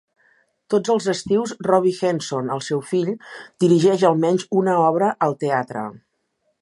Tots els estius, Robby Henson, el seu fill, dirigeix almenys una obra al teatre.